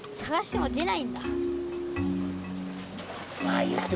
はい。